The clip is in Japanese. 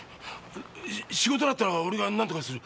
仕事だったら俺が何とかする。